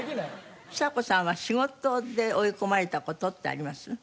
ちさ子さんは仕事で追い込まれた事ってあります？